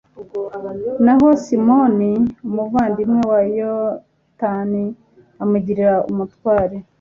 naho simoni, umuvandimwe wa yonatani, amugira umutware